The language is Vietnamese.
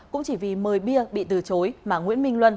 cũng chỉ vì mời bia bị từ chối mà nguyễn minh luân